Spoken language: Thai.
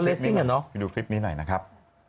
แล้วเลสซิ่งอ่ะเนาะไปดูคลิปนี้หน่อยนะครับ